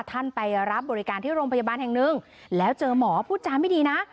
ไปรับบริการที่โรงพยาบาลแห่งหนึ่งแล้วเจอหมอพูดจาไม่ดีนะ